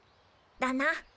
だな。